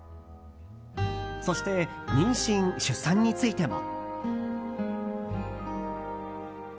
そして妊娠・出産についても。